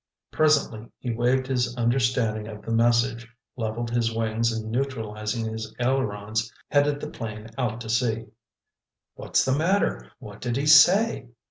Presently he waved his understanding of the message, leveled his wings and neutralizing his ailerons, headed the plane out to sea. "What's the matter? What did he say?"